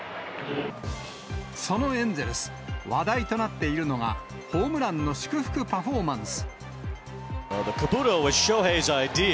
そのエンゼルス、話題となっているのが、ホームランの祝福パフォーマンス。